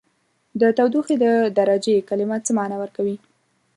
د تودوخې د درجې کلمه څه معنا ورکوي؟